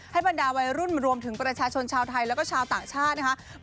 บรรดาวัยรุ่นรวมถึงประชาชนชาวไทยแล้วก็ชาวต่างชาตินะคะ